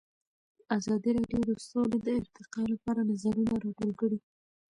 ازادي راډیو د سوله د ارتقا لپاره نظرونه راټول کړي.